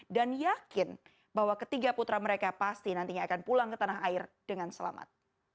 yakin bahwa ketiga putra mereka pasti nantinya akan pulang ke tanah air dengan selamat